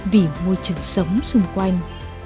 vì môi trường sống xung quanh